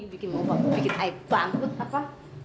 bikin mau bapu bikin air bangkut apa